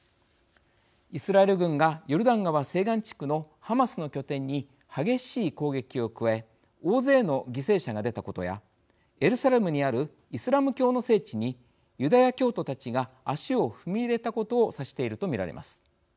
イスラエル軍がヨルダン川西岸地区のハマスの拠点に激しい攻撃を加え大勢の犠牲者が出たことやエルサレムにあるイスラム教の聖地にユダヤ教徒たちが足を踏み入れたことを指していると見られます。